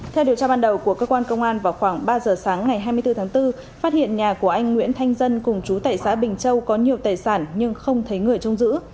theo điều tra ban đầu của cơ quan công an vào khoảng ba giờ sáng ngày hai mươi bốn tháng bốn phát hiện nhà của anh nguyễn thanh dân cùng chú tẩy xã bình châu có nhiều tài sản nhưng không thấy người trông giữ